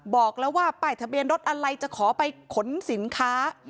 บอกแล้วว่าป้ายทะเบียนรถอะไรจะขอไปขนสินค้า